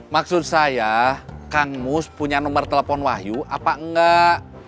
maksud saya kang mus punya nomor telepon wahyu apa enggak